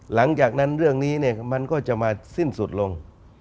หลังจากนั้นเรื่องนี้เนี่ยมันก็จะมาสิ้นสุดลง